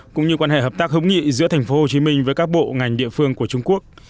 cũng như quan hệ hợp tác hứng nghị giữa thành phố hồ chí minh với các bộ ngành địa phương của trung quốc